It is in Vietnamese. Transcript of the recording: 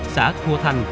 xã khua thanh